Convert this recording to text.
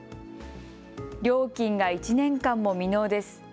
料金が１年間も未納です。